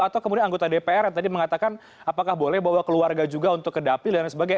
atau kemudian anggota dpr yang tadi mengatakan apakah boleh bawa keluarga juga untuk ke dapil dan sebagainya